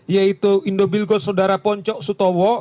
yaitu indobilgo saudara poncok sutowo